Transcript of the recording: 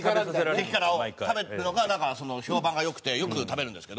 激辛を食べるのが評判が良くてよく食べるんですけど。